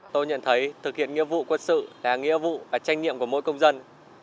tôi nhận thấy thực hiện nghiệp vụ quân sự là nghiệp vụ và tranh nhiệm của mỗi công dân